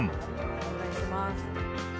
お願いします。